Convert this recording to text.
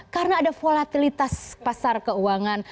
karena ada volatilitas pasar keuangan